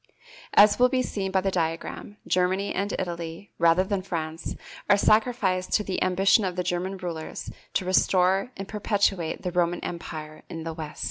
As will be seen by the diagram, Germany and Italy, rather than France, are sacrificed to the ambition of the German rulers to restore and perpetuate the Roman empire in the West.